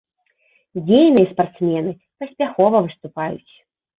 Дзейныя спартсмены, паспяхова выступаюць.